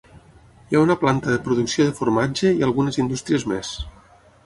Hi ha una planta de producció de formatge i algunes indústries més.